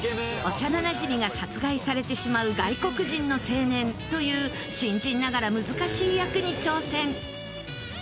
幼なじみが殺害されてしまう外国人の青年という新人ながら難しい役に挑戦。